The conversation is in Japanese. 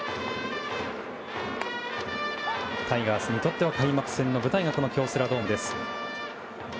タイガースにとっては開幕戦の舞台がこの京セラドームです。